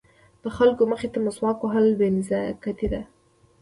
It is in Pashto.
د خلکو مخې ته مسواک وهل بې نزاکتي ده.